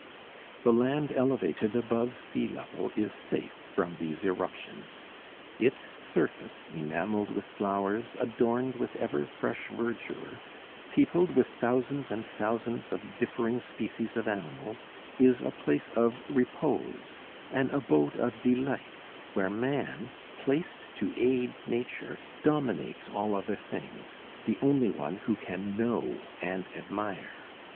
The land elevated above sea level is safe from these irruptions. Its surface, enameled with flowers, adorned with ever fresh verdure, peopled with thousands and thousands of differing species of animals, is a place of repose; an abode of delights, where man, placed to aid nature, dominates all other things, the only one who can know and admire.